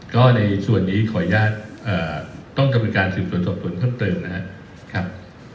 ก็ในส่วนนี้ขออนุญาตเอ่อต้องกำลังการสิ่งส่วนส่วนส่วนเพิ่มเติมนะครับครับ